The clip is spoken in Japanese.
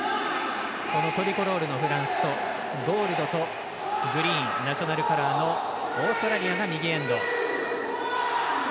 このトリコロールのフランスとゴールドとグリーンナショナルカラーのオーストラリアが右エンド。